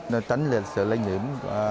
nên tránh lại sự lây nhiễm